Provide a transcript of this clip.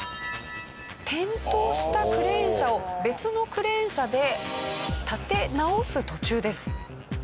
転倒したクレーン車を別のクレーン車で立て直す途中です。